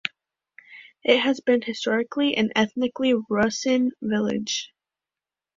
It has been historically an ethnically Rusyn village.